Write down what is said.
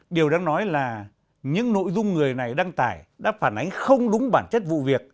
điều đáng nói là những nội dung người này đăng tải đã phản ánh không đúng bản chất vụ việc